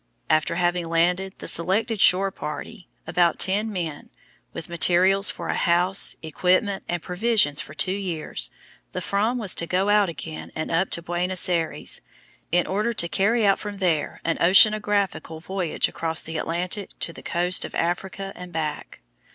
After having landed the selected shore party about ten men with materials for a house, equipment, and provisions for two years, the Fram was to go out again and up to Buenos Aires, in order to carry out from there an oceanographical voyage across the Atlantic to the coast of Africa and back.